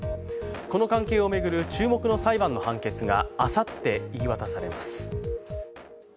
この関係を巡る注目の裁判の判決があさって言い渡されます。